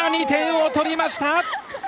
２点を取りました！